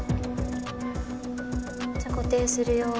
じゃあ固定するよ。